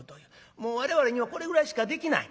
もう我々にはこれぐらいしかできない。ね？